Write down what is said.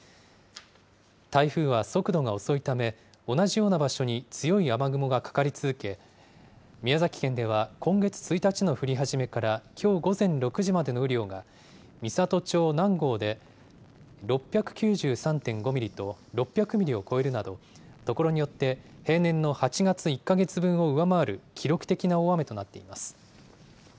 台風は速度が遅いため、同じような場所に強い雨雲がかかり続け、宮崎県では今月１日の降り始めからきょう午前６時までの雨量が、美郷町南郷で６９３．５ミリと、６００ミリを超えるなど、所によって、平年の８月１か月分を上回る記録的な大雨となっています。